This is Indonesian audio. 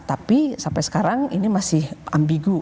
tapi sampai sekarang ini masih ambigu